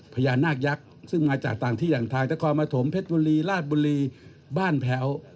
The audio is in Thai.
พญานาคยักษ์ซึ่งมาจากต่างที่อย่างทางนครปฐมเพชรบุรีราชบุรีบ้านแพ้ว